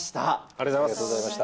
ありがとうございます。